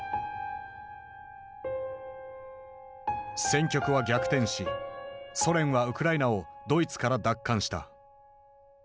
戦局は逆転しソ連はウクライナをドイツから奪還した。